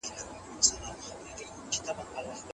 د څېړونکي هڅونه له فشار ښه نتیجه ورکوي.